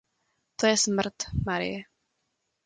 To je smrt, Marie.